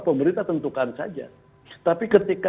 pemerintah tentukan saja tapi ketika